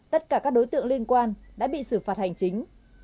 tất cả các đối tượng liên quan đã bị xử phạt hành chính